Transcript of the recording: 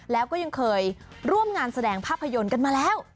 แล้วก็ยังเคยร่วมงานแสดงภาพยนตร์กันมาแล้ว